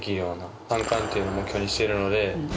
３冠っていうのを目標にしているので。